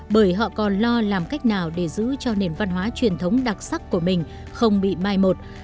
bởi họ còn lo làm cách nào để giữ cho nền văn hóa truyền thống đặc sắc của mình không bị mai một